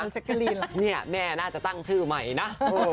เนี่ยแม่น่าจะตั้งชื่อใหม่นะ